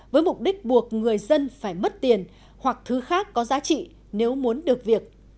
với mục đích buộc người dân phải mất tiền hoặc thứ khác có giá trị nếu muốn được việc